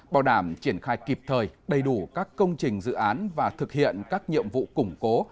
bảo đảm triển khai kịp thời đầy đủ các công trình dự án và thực hiện các nhiệm vụ củng cố